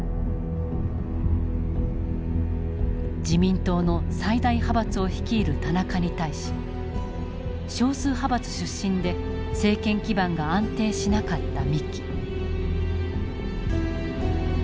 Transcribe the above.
自民党の最大派閥を率いる田中に対し少数派閥出身で政権基盤が安定しなかった三木。